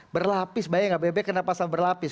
berlapis bayang nggak bebek kena pasal berlapis